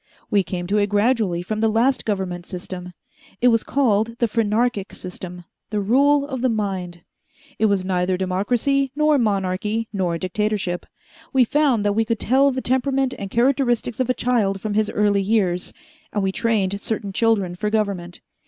"We came to it gradually from the last government system. It was called the phrenarchic system the rule of the mind. It was neither democracy nor monarchy nor dictatorship. We found that we could tell the temperament and characteristics of a child from his early years, and we trained certain children for government.